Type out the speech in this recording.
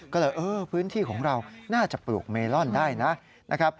ก็เลยเออพื้นที่ของเราน่าจะปลูกเมลอนได้นะครับ